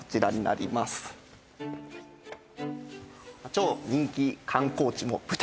「超人気観光地も舞台に！」